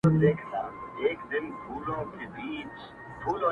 o چي اوبو ته وايي پاڼي، سر ئې لاندي که تر کاڼي٫